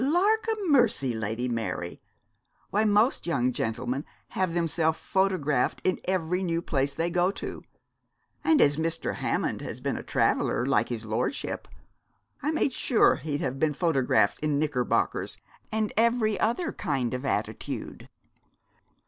'Lawk a mercy, Lady Mary! Why most young gentlemen have themselves photographed in every new place they go to; and as Mr. Hammond has been a traveller, like his lordship, I made sure he'd have been photographed in knickerbockers and every other kind of attitude.'